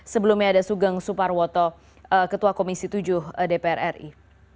sebelumnya ada sugeng suparwoto ketua komisi tujuh dpr ri